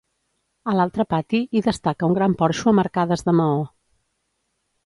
A l'altre pati hi destaca un gran porxo amb arcades de maó.